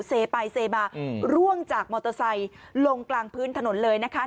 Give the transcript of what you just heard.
เซไปเซมาร่วงจากมอเตอร์ไซค์ลงกลางพื้นถนนเลยนะคะ